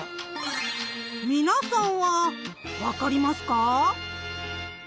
皆さんは分かりますか？